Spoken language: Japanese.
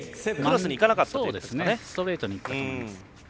ストレートにいったと思います。